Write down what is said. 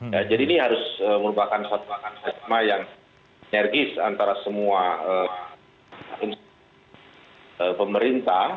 ya jadi ini harus merupakan satwa satwa yang energis antara semua pemerintah